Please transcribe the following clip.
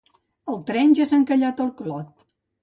El tren ja s'ha encallat al Clot